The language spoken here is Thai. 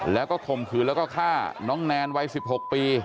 แล้วก็ข่มขืนแล้วก็ฆ่าน้องแนนวัย๑๖ปี